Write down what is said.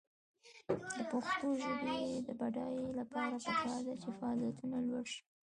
د پښتو ژبې د بډاینې لپاره پکار ده چې فعالیتونه لوړ شي.